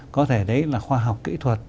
có thể đấy là khoa học kỹ thuật